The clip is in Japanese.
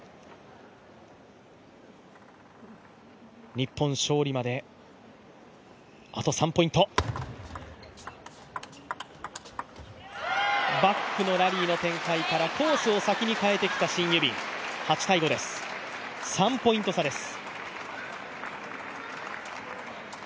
日本勝利まであと３ポイントバックのラリーの展開からコースを先にかえてきたシン・ユビン、３ポイント差です。